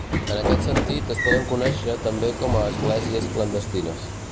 En aquest sentit es poden conèixer també com a esglésies clandestines.